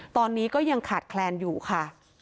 ตอนนี้ก็ยังขาดแคลนอยู่ค่ะ